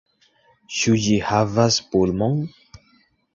Ĉu ĝi havas pulmon?